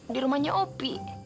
di rumahnya opi